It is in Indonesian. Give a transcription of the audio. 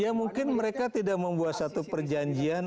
ya mungkin mereka tidak membuat satu perjanjian